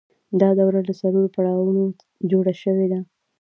دا دوره له څلورو پړاوونو جوړه شوې ده